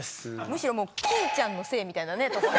むしろ欽ちゃんのせいみたいなとこ。